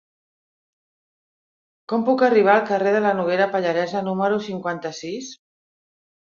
Com puc arribar al carrer de la Noguera Pallaresa número cinquanta-sis?